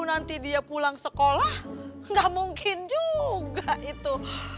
kalau nanti dia pulang sekolah gak mungkin juga itu